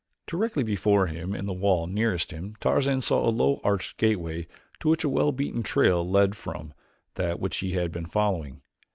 Directly before him in the wall nearest him Tarzan saw a low arched gateway to which a well beaten trail led from that which he had been following.